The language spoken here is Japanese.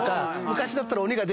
昔だったら。